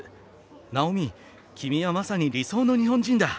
ナオミ君はまさに理想の日本人だ！